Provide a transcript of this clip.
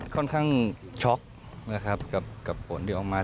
ค่อนข้างช็อกนะครับกับผลที่ออกมา